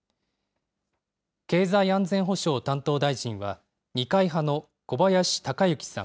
経済安全保障担当大臣は二階派の小林鷹之さん。